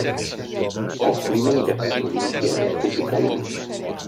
El clima en aquesta província és tropical humit.